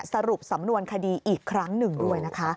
สรุปสำนวนคดีอีกครั้งหนึ่งด้วยนะคะ